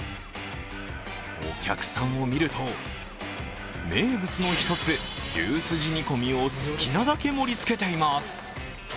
お客さんを見ると、名物の１つ、牛すじ煮込みを好きなだけ盛りつけています。